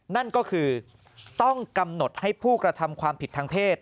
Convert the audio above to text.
นั่นก็คือต้องกำหนดให้ผู้กระทำความผิดทางเพศ